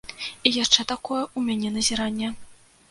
І яшчэ такое ў мяне назіранне.